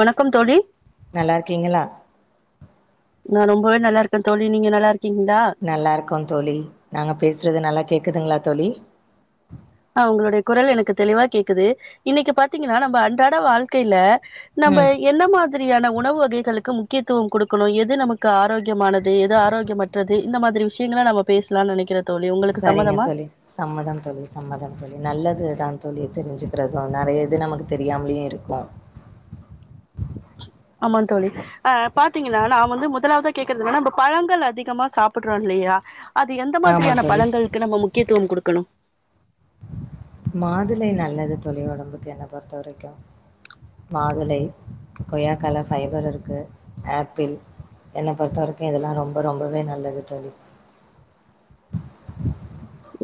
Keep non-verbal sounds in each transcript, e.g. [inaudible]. வணக்கம் தோழி நல்லா இருக்கீங்களா நான் ரொம்பவே நல்லா இருக்கேன் தோழி நீங்க நல்லா இருக் நல்லா இருக்கும் தோழி நாங்க பேசுறது நல்லா கேக்குதுங்களா தொழி ஹாங் உங்களுடைய குரல் எனக்கு தெளிவா கேக்குது இன்னைக்கு பாத்தீங்கன்னா நம்ம அன்றாட வாழ்க்கையில நம்ம ம் என்ன மாதிரியான உணவு வகைகளுக்கு முக் முக்கியத்துவம் கொடுக்கணும் எது நமக்கு ஆரோக்கியமானது எது ஆரோக்கியமற்றது இந்த மாரி விஷங்களல நம பேசலாம்னு நினைக்கிறது சரிங்க தொழி சம்மதம் தொழி சம்மதம் தோழி நல்லதுதான் தோல்லி தெரிஞ்சுக்கிறதும் நறைய இது நமக்கு தெரியாமலயும் இருக்கும் ஆமாம் தோழி ஆஹ் பாத்தீங்கன்னா நான் வந்து முதலாவதான் கேக்குறதுனன்னா நம்ம பழங்கள் அதிகமா சாப்பிடுறோம் இல்லையா அது எந்த ஆமா மாதிரியான தோழி பழனங்களுக்கு நம்ம முக்கியத்துவம் கொடுக்கணும் மாதுளை நல்லது தோழி உடம்புக்கு என்னை பொறுத்த வரைக்கும் மாதுளை கொய்யாக்கல ஃபைபர் இருக்கு ஆப்பிள் என்ன பொறுத்த வரைக்கும் இதெல்லாம் ரொம்ப ரொம்பவே நல்லது தோழி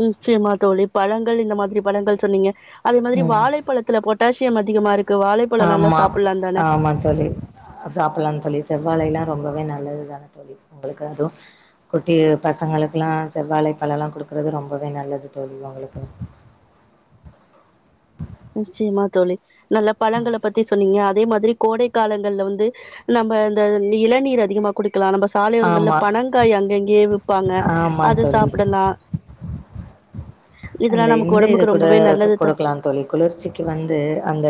நிச்சயமா தோழி பழங்கள் இந்த மாதிரி பழங்கள் சொன்னீங்க அதே மாதிரி ம் வாழை பழத்துல பாத் ட்டாசியம் அதிகமாக இருக் ஆமா ஆமாம் தோழி சாப்பிடலாம்னு தோழி செவ்வலைய ரொம்பவே நல்லதுதான தோழி உங்களுக்கு அதுவும் குட்டி பசங்களுக்குல்லாம் செவ்வாழை பழ எல்லாம் குடுக்குறது ரொம்பவே நல்லது தோழி உங்களுக்கு நிச்சயமா தோழி நல்ல பழங்கள பத்தி சொன்னீங்க அ அதே மாதிரி கோடை காலங்கள்ல வந்து நம்ம இந்த இளநீர் அதிகமா குடி க்கலாம் நம்ம சாலையோரங்கள்ல ஆமா பனங்காய் அங்கங்கே ப்பாங்க ஆமா அது தோழி சாப்புடலாம் அந்த இந்த இது கூட ரொம்பவே நல்லது த குடுக்கலா தோழி குளிர்ச்சி வந்து அந்த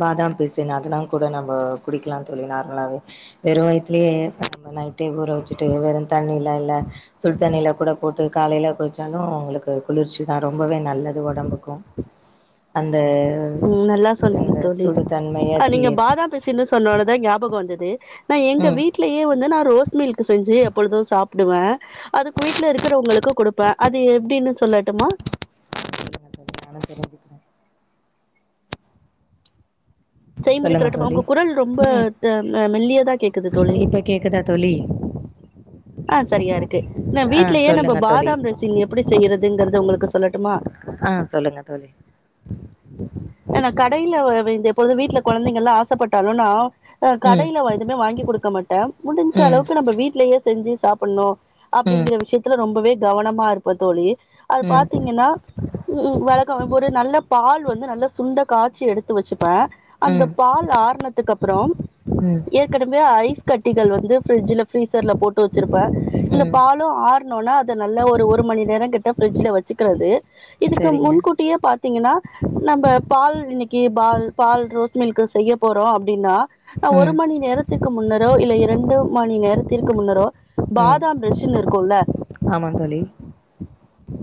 பாதாம் பீசன்னு அதெல்லாம் கூட நம்ம குடிக்கலாம்னு தோழி நார்மலாவே வெறும் வயத்தலயே நம்ம நைட்டே ஊற வச்சுட்டு வெறும் தண்ணில்லாம் இல்ல சுடு தண்ணியில கூட போட்டு காலையில குடிச்சாலும் உங்களுக்கு குளிர்ச்சி தான் ரொம்பவே நல்லது உடம்புக்கும் அந் உம் நல்லா சொன்னீங்க தோழி தன்மையா ஆஹ் தீ நீங்க பாதாம் பிசின்னு சொன்னோனதான் ஞாபகம் வந்தது அது நா எங்க ம் வீட்லயே வந்து நான் ரோஸ் மில்க் செஞ்சு எப்பொழுது சாப் டுவ அதுக்கு வீட்டல இருக்கிறவங்களுக்கு கொடுப்பே அது எப்படின்னு சொல் சொல்லட்டுமா [unintelligible] நானும் தெரிஞ்சுக்கிறேன் செய்முறை சொல்லுங்க சொல்லடுமா தோழி உங்க குரல் ரொம்ப ம் தா மெல்லியதா கேக்குது தோழி இப்ப கேக்குதா தோழி ஆஹ் சரியா இருக்கு நா ஆ வீட்லயே நம்ம சொல்லுங்க தோழி பாதாம் ரசின் எப்டி செய்யறதுங்கறது உங்களுக் க்கு சொல்லட்டுமா ஆஹ் சொல்லுங்க தோழி ஆனா கடையில வந்து எப்பொழுது வீட்டுல குழந்தைங்கல்லாம் ஆசைப்பட்டாங்கன்னா ஆஹ் ம் கடையில எதுவுமே வாங்கி குடுக்க மாட்டேன் முடிஞ்ச ம் அளவுக்கு நம்ம வீட்லேயே செஞ்சு சாப்புணும் ம் அப்புடிங்கிற விஷியத்துல ரொம்பவே கவனமா இருப்பதோழி அது ம் பாத்தீங்கன்னா உம் வழக்கம் ஒரு நல்ல பால் வந்து நல்ல சுண்ட காச்சி எடுத்து வச்சுப்பேன் அந்த ம் பால் ஆறனதுக்கு அப்புறம் ம் ஏற்கனவே ஐஸ் கட்டிகள் வந்து ஃப்ரிட்ஜ்ல ஃபிரீசர்ல போட்டு வச்சிருப்பேன் இந்த ம் பாலும் ஆறனும்னா அது நல்ல ஒரு ஒரு மணி நேரம் கிட்ட ஃபிரிஜில வச்சிக்கிறது இதுக்கு சரிங்க முன்கூட்டியே பாத்தீங்கின்னா நம்ம பால் இன்னைக்கு பால் பால் ரோஸ் மில்க் செய்ய போறோம் னா நா ஒரு ம் மணி நேரத்துக்கு முன்னரோ இல்ல இரண்டு மணி நேரத் தீர்க்கு முன்னரோ ம் பாதாம் பிஷின் இருக்கும்ல ஆமா தோழி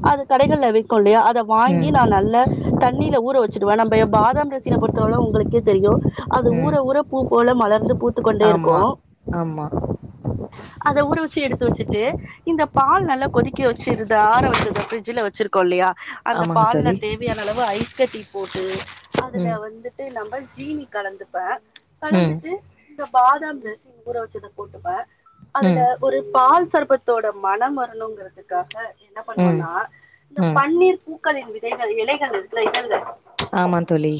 அது கடைகள்ல வைச்சி கொண்டைய அத வாங்கி ம் நான் நல்ல தண்ணில ஊற வச்ச இதுவே நம்ம பாதாம் பிசின பொறுத்தவ உங்களுக்கே தெரியும் அது ம் ஊர ஊர பூ போல மலர்ந்து பூத்துக் கொண்டே ஆமா இருக்கும் ஆமா அத உருவ உரிச்சு எடுத்து வச்சுட்டு இந்த பால் நல்லா கொதிக்கி வச்சு இந்த ஆற வச்சிருக்க பிரிட்ஜ்ல வச்சுருக்கோ இல்லயா அந்த ஆமாங்க பால்ல தோழி தேவையான அளவு ஐஸ் கட்டி போட்டு அதுல ம் வந்துட்டு நம்ம ஜீனி கலந்துப்பேன் ம் கலந்துட்டு இந்த பாதாம் பிசின் ஊற வச்சத போட்டுப்பேன் அதுல ம் ஒரு பால் சர்பத்தோட மனம் வர்ணுங்கிறதுக்காக என்ன ம் பண்ணுவனா இந்த ம் பன்னீர் பூ பூக்களின் விதைகள் இலைகளின் இந்த இதழ்கள் ஆமா தோழி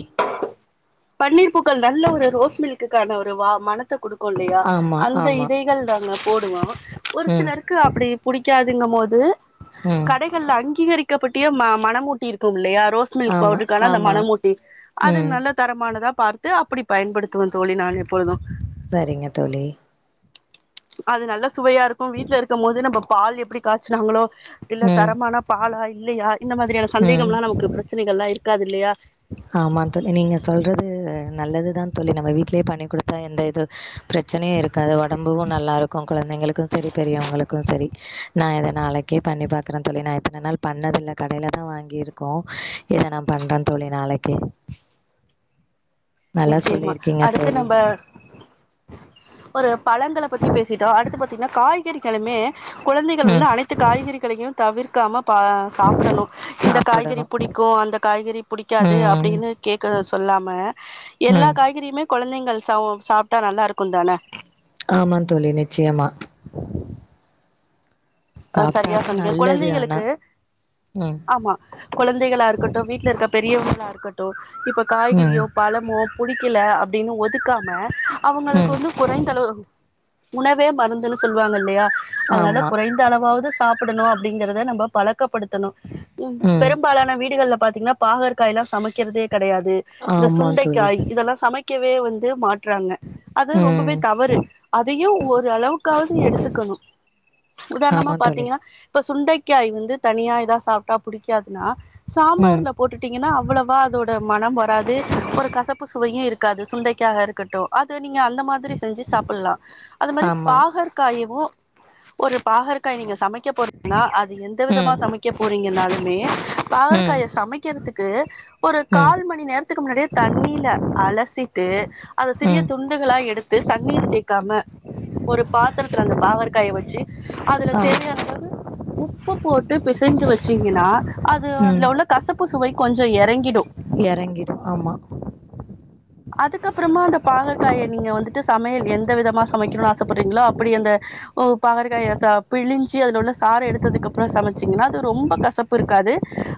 பன்னீர் பூக்கள் நல்ல ஒரு ரோஸ் மில்குக்கான ஒரு வா மனத்த கொடுக்க இருக்கும் இல்லையா ஆமா அந்த ஆமா இதழ்கள் நாங்க போடுவோம் ஒரு ம் சிலருக்கு அப்டி பிடிக்காத இதுங்க மோது ம் கடைகல்ல அங்கீகரிக்க [unintelligible] பற்றிய மனம் ஊட்டி இருக்கும் இல்லையா ரோஸ் மில்க் ஆமா பவுடர் அந்த ஆமா மனமூட்டி அது ம் நல்ல தரமா நல்லதா பாத்து அப்படி பயன்படுத்துவோம் தோழி நானு எப்பொழுதும் சரிங்க தோழி அது நல்ல சுவையா இருக்கும் வீட்டுல இருக்கும் போது நம்ம பால் எப்படி காய்ச்சுனாங்களோ இல்ல ம் தரமான பாலாய் இல்லை யார் இந்த மாதிரியான ம் சந்தேகம்லாம் நமக்கு பிரச்சனைகள்லாம் இருக்கு இருக்காதுயில்லையா ஆமா தொலி நீங்க சொல்றது நல்லதுதான் தொலி நம்ம வீட்லேயே பண்ணி கொடுத்தா எந்த இது பிரச்சனையே இருக்காது உடம்பும் நல்லாருக்கும் குழந்தைங்களுக்கும் சரி பெரியவங்களுக்கும் சரி நான் இதை நாளைக்கே பண்ணி பாக்குறேன் தோழி நான் இத்தன நாள் பண்ணது இல்ல கடையில தான் வாங்கிருக்கோம் இதை நான் பண்றேன் தொலி நாளைக்கே நல்லா நிச்சயமா சொல்லிருக்கீங்க அடுத்து தோழி நம்ம ஒரு பழங்களை பத்தி பேசிட்டோம் அடுத்து பாத்தீங்கன்னா காய்கறிகளுமே குழந்தைகள் வந்து ம் அனைத்து காய்கறிகளையும் தவிர் க்காம பா சாப்பிடணும் இந்த காய்கறி சாப்பிடணு பிடிக்கும் அந்த காய்கறி பிடிக்காது ம் அப்படின்னு கேட்க சொல்லாம எல்லா ம் காய்கறியுமே கெழந்தைங் சாப்பிட்டா நல்லா இருக்கும் தானே ஆமா தோழி நிச்சயமா சரியா சாப்ட்டாதா சொன்னிங்க நல்லது ஆனா கெழந்தைகளுக்கு ம் ஆமா கெழந்தைகளா இருக்கட்டும் வீட்டுல இருக்க பெரியவங்க லா இருக்கட்டோ இப்ப ம் காய்கறியோ பழமோ புடிக்கல அப்புடின்னு ஒதுக்காம அவங்களுக்கு ம் வந்து குறைந்தளவு உணவே மருந்துன்னு சொல்லுவாங்க இல்லையா அதனால ஆமா குறைந் சாப்படணும் அப்டிங்கறத நம்ம பழக் கபடுத்தணும் ம் பெரும்பாலான வீடுகள்ல பாத்தீங்கன்னா பாகற்காய் எல்லாம்சமைக்கிறதே கிடையாது இந்த ஆமா தோழி சுண்டைக்காய் இதெல்லாம்சமைக் க்கவே வந்து மா றாங்க அது ரொம்பவே ம் தவறு அதை யும் ஒரு அளவுக்காவது எடுத்துக்கணும் உதாரணமா ஆமா தோழி பாத்தீங்கன்னா இப்ப சுண்டைக்காய் வந்து தனியா இதா சாப்பட்டா புடிக்காதுன்னா ம் சாம்பார்ல போட்டுட்டீங்கன்னா அவ்ளேவா அதோட மனம் வராது ஒரு கசப்பு சுவையும் இருக்காது சுண்டைக்க இருக்கட்டும் அது நீங்க அந்த மாரி செஞ்சு சாப்படலாம் அது மாரி ஆமா பாகற்காயவும் ஒரு பாகற்காய் நீங்க சமைக்க போறீங்கனா அது எந்த விதமா ம் சமைக்க போறீங்கனால மே ம் பாகற்காய சமைக்கிறதுக்கு ஒரு ம் கால் மணி நேரத்துக்கு முன்னாடியே தண்ணீல அலசிட்டு அதை சிறிய ம் துண்டுகளா எடுத்து தண்ணீர் சேர்க்காம ஒரு பாத்திரத்துல அந்த பாகற்காய வச்சு அதுல ஆ தெரிய அளவு உப்பு போட்டு பிசைஞ்சி வச்சீங்கன்னா அது அதுல உள்ள கசப்பு சுவை கொஞ்ச எறங்கிடும் எறங்கிடும் ஆமா அதுக்கப்புறமா அந்த பாகற்காய நீங்க வந்துட்டு சமையல் எந்த விதமா சமைக்கணுனு ஆசைப்படுறீங்களோ அப்படி அந்த பாகற்காய த பிழிஞ்சு அதுல உள்ள சார எடுத்ததுக்கு அப்புற சமைச்சீங்கன்னா அது ரொம்ப கசப்பு இருக்காது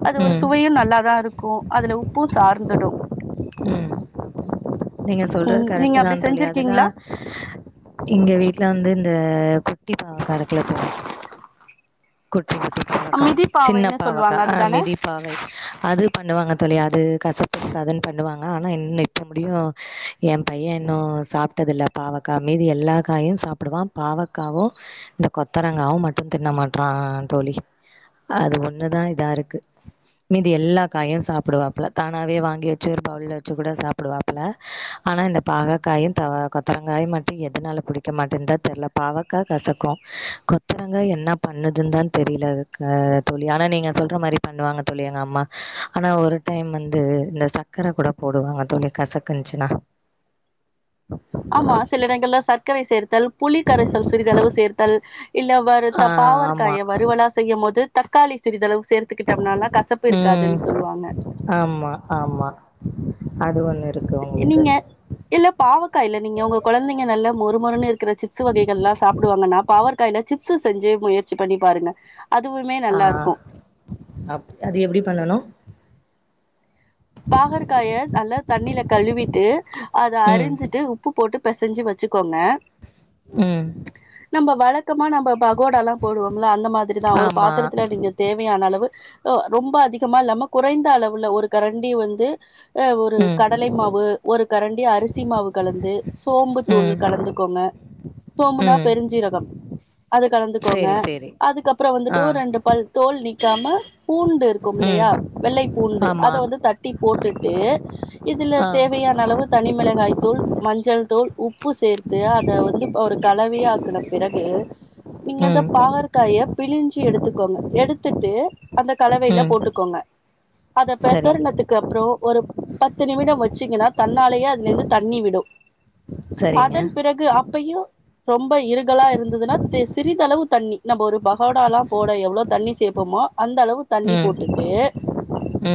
அது ஒரு ம் சுவையு நல்லாதா இருக்கும் அதுல உப்பு சார்ந்துடு ம் நீங்க சொல்றது கரெட் அப்படி தான் தோழி செஞ்சிருக்கீங்களா அதெல்லாம் ஆ இங்க வீட்டுல வந்து இந்த குட்டி பாவக்காருக்குல தழி குட்டி குட்டி பாவக்கா சின்ன மிதிப்பாவைன்னு பாவக்கா சொல்லுவாங்க ஆஹ அதுதானே மிதி பாவை அது பண்ணுவாங்க தொழியா அது கசப்பு இருக்காதுன்னு பண்ணுவாங் அ ஆனா இன்னப்ப முடியு என் பையன் இன்னு சாப்பிட்டது இல்ல பாவக்காய் மீதி எல்லா காயும் சாப்பிடுவான் பாவக்காவு இந்த கொத்தரங்காவு மட்டும் தின்ன மாட்டறான் தோழி அது ஒண்ணுதான் இதா இருக்கு மீதி எல்லா காயும் சாப்பிடுவாப்பல தானாவே வாங்கி வச்சு ஒரு பவுல்ல வச்சு கூட சாப்புடுவாப்பல ஆனா இந்த பாகக்காயும் த கொத்தரங்காயும் மட்டும் எதனால புடிக்க மாட்டேங்குது தெரியில பாவக்காய் கசக்கு கொத்தரங்காய் என்ன பண்ணுதுன்னு தான் தெரில தோழி ஆனா நீங்க சொல்ற மாதிரி பண்ணுவாங்க தழி எங்க அம்மா ஆனா ஒரு டைம் வந்து இந்த சர்க்கரை கூட போடுவாங்க தோழி கசக் கஞ்ச்னா ஆமா சில இடங்கள சர்க்கரை சேர்த்தல் புலி கரைசல் சிறிதளவு சேர்த்தல் இல்ல ஆ வருத்த ஆமாம் பாவர்காய வறுவலா செய்யும் போது தக்காளி சிறிதளவு சேர்த்துக்கிட்டம்னாலா கசப்பு ம் இருக்காதுனு சொல்லுவாங்க ஆமாம் ஆமாம் அது வந்த் நீங்க இல்ல பாவக்காய்ல நீங்க உங்க குழந்தைங்க நல்ல ஒரு மொறுன்னு இருக்கிற சிப்ஸ் வகைகள் எல்லா சாப்புடுவாங்கன்னா பாவக்காய்ல சிப் ப்ஸ்சு செஞ்சி முயற்சி பண்ணி பாருங்க அதுவுமே நல்லா ஆஹ இருக்கு அப் அது எப்டி பண்ணணு பாகற்காய நல்லா தண்ணில கழுவிட்டு ஹ அத ம் அறிஞ்சிட்டு உப்பு போட்டுப் ப்பேசஞ்சி வச்சுக்கோங்க ம் நம்ப வளத் சுத்தமா நம்ம பகோட எல்லா போடுவோம்ல அந்த மாதிரிதான் ஒரு ஆமா பாத்திரத்துல நீங்க தேவையான அளவு ஒ ரொம்ப அதிகமா இல்லாம குறைந்த அளவுல ஒரு கரண் வண்டி வந்து அ ஒரு ம் கடலை மாவு ஒரு கரண்டி அரிசி மாவு கலந்து சோம்பு தூள் ம் கலந்துக்கோங்க சோம்புனா ம் பெருஞ்சீரகம் அது கலந்துக்கோங்க சேரி சேரி அதுக்கப்புறம் வந்துட்டு ஆ ஒரு ரண்டு பல் தோல் நீ தமா பூண்டு இருக்கும் ம் இல்லையா வெள்ளை பூண்டு அத ஆமா வந்து பூ டி போட்டுட்டு இதுல ஆ தேவையான அளவு தனிமிளகாய் தூள் மஞ்சள் தூள் உப்பு சேர்த்து அத வந்து ஒரு கலவையா ஆக்குன பிறகு நீங்கந்தா ம் பாகர்காயப் பிழிஞ்சு எடுத்துக்கோங்க எடுத்துட்டு அந்த கலவையில ம் போட்டுக்கோங்க அத சரி பெசர்ன அப்புறம் ஒரு பத்து நிமிடம் வச்சீங்கன்னா தன்னாலேயே அதுல இருந்து தண்ணி விடும் சரிங்க அதன் பிறகு அப்போயும் ரொம்ப இருகலாக இருந்ததுன்னா சிறிதளவு தண்ணி நம்ம ஒரு பகோடாலாம் போட எவ்வளோ தண்ணி சேப்போமோ அந்த அளவு தண்ணி ம் போட்டுட்டு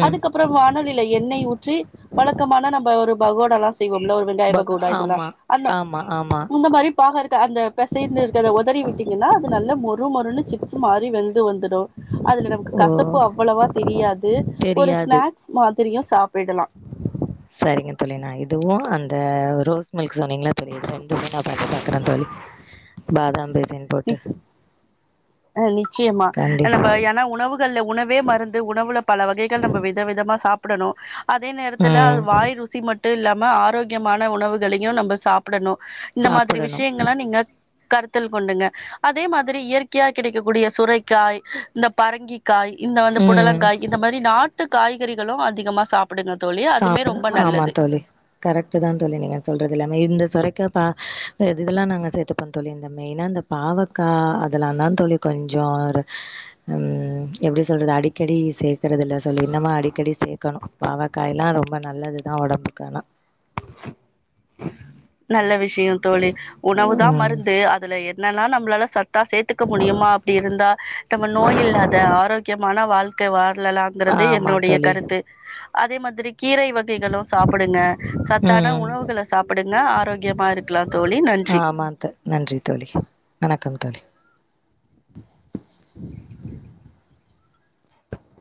ம் அதுக்கப்புறம் வாணலில எண்ணெய் ஊற்றி வழக்கமான நம்ம ஒரு பகோட எல்லாம் செய்வோம் என்ன ஒரு வெங்காய பகா பக்கோடா இதுல்லாம் ஆமா அந்த ஆமா ஆமா இந்த மாதிரி பாகற் அந்த பெசைந்து இருக்கிறதை உதறி விட்டீங்கன்னா அது நல்ல மொறு மொறுன்னு சிப்ஸ் மாறி வெழுந்து வந்துடும் அதுல நமக்கு ஓ கசப்பு அவ்வளவா தெரியாது ஒரு தெரியாது ஸ்நாக் சரியா சாப்பிடலாம் சரிங்க தோழி நான் இதுவும் அந்த ரோஸ் மில்க் சொன்னீங்களா இது ரெண்டுமே நான் பண்ணி பாக்குறேன் தோழி பாதாம் வேன் நீ போட்டு நிச்சயமா கண்டி நம்ம ஏன்னா உணவுகள்ல உணவே மருந்து உணவுல பல வகைகள் நம்ம வித விதமா சாப்ப கணு அதே நேரத்துல அது ம் வாய் ருசி மட்டும் மட்டு இல்லாமல் ஆரோக்கியமான உணவுகளையும் நம்ம சாப்புடணும் இந்த மாதிரி சாப்பிடணு விஷயங்களா நீங்க கருத்தில் கொண்டுங்க அதே மாதிரி இயற் க்கியா கிடைக்கக்கூடிய சுரைக்காய் இந்த பரங்கி காய் இல்ல வந்து ம் புடலங்காய் இந்த மாதிரி நாட் வந்டு காய்கறிகளும் அதிகமா சாப் சாப்புடணும் ஆமா தோழி கரெக்ட் தான் தோழி நீங்க சொல்றது எல்லாமே இந்த சுரைக்கப்ப இதெல்லாம் நாங்க சேர்த்துப்போம் தோழி இந்த மெய்னா இந்த பாவக்காய் அதெல்லாம் தான் செத்துப்போம் தோழி கொஞ்சம் உஹம் எப்படி சொல்றது அடிக்கடி சே க்கறதில்ல தோழி இன்னம அடிக்கடி சேர்க்கணும் பாவ ல்லாம் ரொம்ப நல்லதுதான் உடம்புக்கு ஆனா நல்ல விஷ யம் தோழி உணவு தான் ம் மருந்து அதுல என் என்னா நம்மளால சத் தா சேத்துக்க முடியுமோ அப்படி இருந்தா நம்ம நோய் இல்லாத ஆரோக்கியமான வாழ்க்க ஓகேவா அல்லலாங்கறிறது ஆமா என்னுடைய தோழி கருத்து அதே மாதிரி கீரை வகைகளும் சாப்பிடுங்க சத் தன ம் உணவுகள சாப்பிடுங்க ஆரோக்கியமா இருக்கலாம் தோழி நன்றி ஆமா த நன்றி தோழி வணக்கம் [unintelligible]